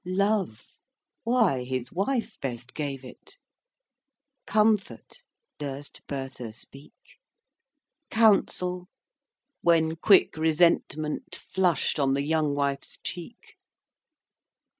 Love: why, his wife best gave it; Comfort: durst Bertha speak? Counsel: when quick resentment Flush'd on the young wife's cheek.